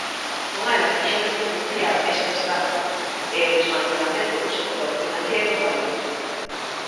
Con ela quixemos denunciar esta estafa e o desmantelamento do sector financeiro galego.